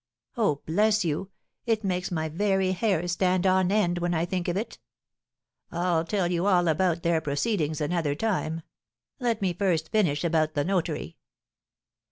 Oh, bless you, it makes my very hair stand on end when I think of it! I'll tell you all about their proceedings another time; let me first finish about the notary.